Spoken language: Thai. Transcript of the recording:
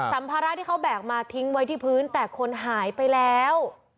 สัมภาระที่เขาแบกมาทิ้งไว้ที่พื้นแต่คนหายไปแล้ว